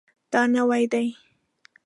دا نوی دی